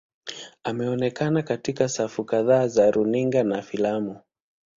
Ameonekana katika safu kadhaa za runinga na filamu.